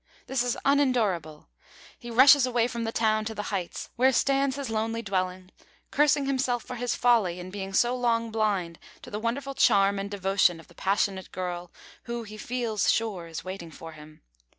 This is unendurable. He rushes away from the town to the heights where stands his lonely dwelling, cursing himself for his folly in being so long blind to the wonderful charm and devotion of the passionate girl who, he feels sure, is waiting for him.